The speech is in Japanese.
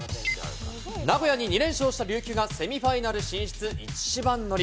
名古屋に２連勝した琉球がセミファイナル進出、一番乗り。